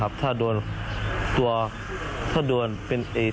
กับรถคนอื่นหรอกครับ